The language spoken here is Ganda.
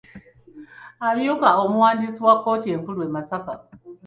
Amyuka omuwandiisi wa kooti enkulu e Masaka.